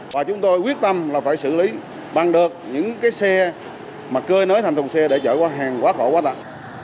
và chúng tôi quyết tâm là phải xử lý bằng được những xe mà cơi nới thành thùng xe để chở quá hàng quá khổ quá tải